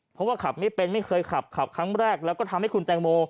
เพราะว่าขับไม่เป็นไม่เคยขับขับครั้งแรกแล้วก็ทำให้คุณแตงโม